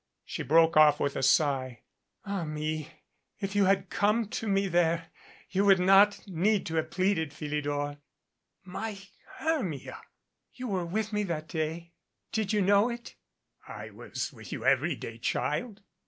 She broke off with a sigh. "Ah, me ! If you had come to me there you would not need to have pleaded, Philidor." "My Hermia!" "You were with me that day. Didn't you know it?" "I was with you every day, child."